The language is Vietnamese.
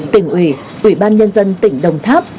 tỉnh ủy ủy ban nhân dân tỉnh đồng tháp